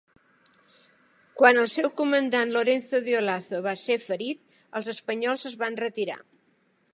Qual el seu comandant Lorenzo de Olazo va ser ferit, els espanyols es van retirar.